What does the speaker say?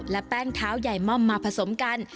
และแป้งเท้าใหญ่ม่อมมาผสมกัน